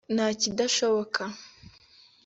nta kidashoboka